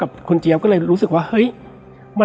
และวันนี้แขกรับเชิญที่จะมาเชิญที่เรา